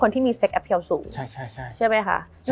มันทำให้ชีวิตผู้มันไปไม่รอด